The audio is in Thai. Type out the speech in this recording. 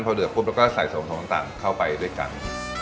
พอเดือดปุ๊บเราก็ใส่ส่วนของต่างเข้าไปด้วยกัน